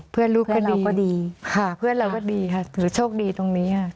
เพื่อนลูกเพื่อนเราก็ดีค่ะเพื่อนเราก็ดีค่ะหนูโชคดีตรงนี้ค่ะ